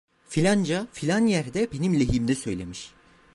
Filanca filan yerde benim lehimde söylemiş!